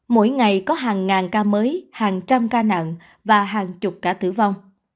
mỗi ngày có hàng ngàn ca mới hàng trăm ca nặng và hàng chục ca tử vong